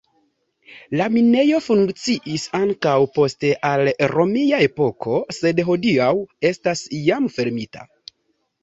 La minejo funkciis ankaŭ post al romia epoko, sed hodiaŭ estas jam fermita.